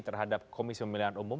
terhadap komisi pemilihan umum